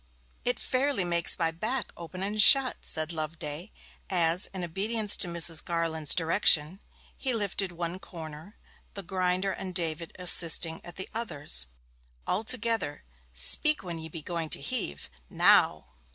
'It fairly makes my back open and shut!' said Loveday, as, in obedience to Mrs. Garland's direction, he lifted one corner, the grinder and David assisting at the others. 'All together: speak when ye be going to heave. Now!'